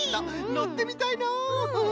のってみたいのう。